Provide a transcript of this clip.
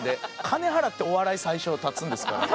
金払ってお笑い最初は立つんですから。